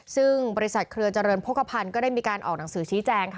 ซึ่งบริษัทเครือเจริญโภคภัณฑ์ก็ได้มีการออกหนังสือชี้แจง